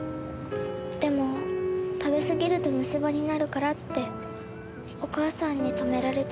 でも食べ過ぎると虫歯になるからってお母さんに止められて。